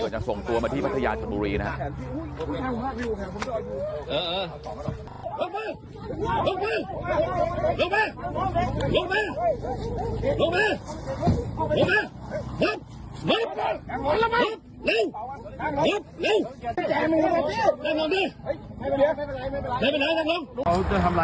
ก่อนจะส่งตัวมาที่พัทยาชนุรีนะฮะ